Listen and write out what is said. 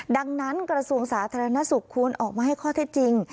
ดังนั้นกระทรวงสาธารณสุขควรออกมาให้ข้อเท็จจริง